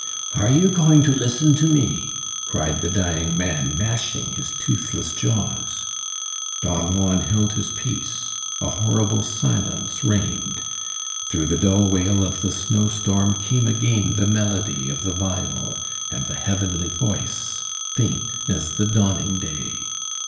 "Are you going to listen to me?" cried the dying man, gnashing his toothless jaws. Don Juan held his peace. A horrible silence reigned. Through the dull wail of the snowstorm came again the melody of the viol and the heavenly voice, faint as the dawning day.